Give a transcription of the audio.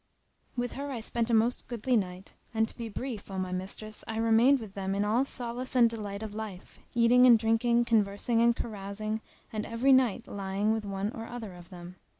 With her I spent a most goodly night; and, to be brief, O my mistress, I remained with them in all solace and delight of life, eating and drinking, conversing and carousing and every night lying with one or other of them.